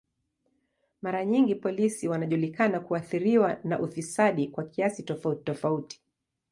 Mara nyingi polisi wanajulikana kuathiriwa na ufisadi kwa kiasi tofauti tofauti.